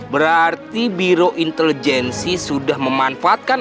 berarti biro intelijensi sudah memanfaatkan